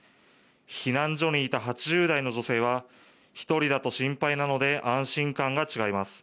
避難所にいた８０代の女性は１人だと心配なので安心感が違います。